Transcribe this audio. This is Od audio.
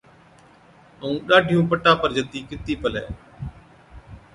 ائُون ڏاڍِيُون پٽا پر جتِي ڪِرتِي پلَي۔